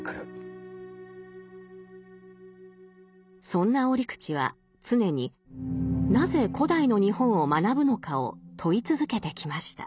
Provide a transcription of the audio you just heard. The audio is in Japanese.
そんな折口は常になぜ古代の日本を学ぶのかを問い続けてきました。